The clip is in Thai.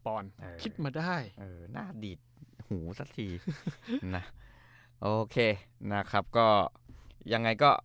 คิดมาได้เออหน้าดีดหูสักทีนะโอเคนะครับก็ยังไงก็